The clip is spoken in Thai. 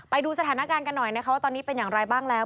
ไปดูสถานการณ์กันหน่อยนะคะว่าตอนนี้เป็นอย่างไรบ้างแล้ว